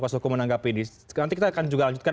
kuasa hukum menanggapi nanti kita akan juga lanjutkan